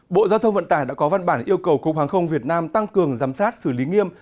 bộ giao thông vận tải đã có văn bản yêu cầu cục hàng không việt nam tăng cường giám sát xử lý nghiêm